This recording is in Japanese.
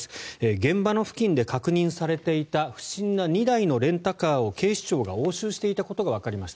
現場の付近で確認されていた不審な２台のレンタカーを警視庁が押収していたことがわかりました。